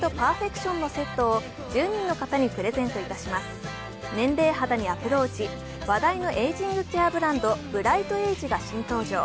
新「ＥＬＩＸＩＲ」年齢肌にアプローチ、話題のエイジングケアブランドブライトエイジが新登場。